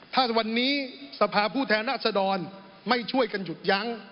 ถ้าวันนี้สภาพผู้แทนรัศดรไม่ช่วยกันหยุดยั้ง